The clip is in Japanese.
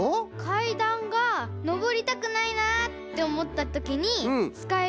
かいだんがのぼりたくないなっておもったときにつかえるね。